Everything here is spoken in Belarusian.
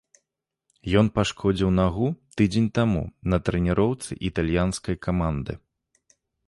Ён пашкодзіў нагу тыдзень таму на трэніроўцы італьянскай каманды.